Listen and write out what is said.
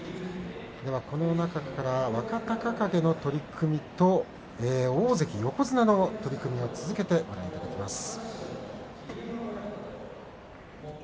この中から若隆景の取組と大関横綱の取組を続けてご覧いただきます。